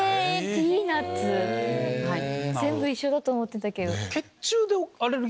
ピーナツ⁉全部一緒だと思ってたけど。